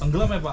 tenggelam ya pak